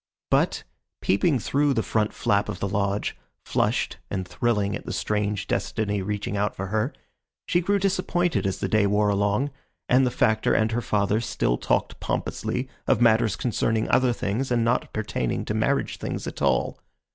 But, peeping through the front flap of the lodge, flushed and thrilling at the strange destiny reaching out for her, she grew disappointed as the day wore along, and the Factor and her father still talked pompously of matters concerning other things and not pertaining to marriage things at all.